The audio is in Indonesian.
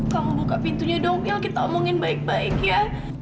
kamu buka pintunya dong yuk kita omongin baik baik ya